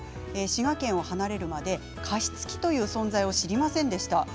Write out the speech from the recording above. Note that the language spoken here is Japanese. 滋賀県を離れるまで加湿器という存在を知りませんでした。